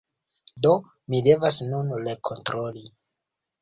Do, mi devas nun rekontroli